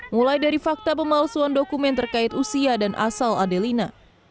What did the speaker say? mulai dari fakta pemalsuan dokumen terkait usia dan asal adelina